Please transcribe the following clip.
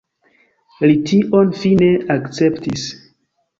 Li tion fine akceptis.